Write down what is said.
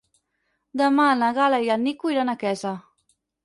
Demà na Gal·la i en Nico iran a Quesa.